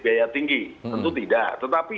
biaya tinggi tentu tidak tetapi